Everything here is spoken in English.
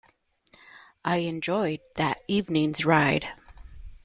I enjoyed that evening’s ride.